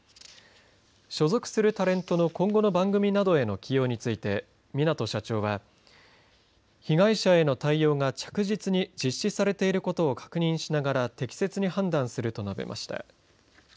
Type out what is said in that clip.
所属するタレントの今後の番組などへの起用について港社長は被害者への対応が着実に実施されていることを確認しながら適切に判断すると述べました。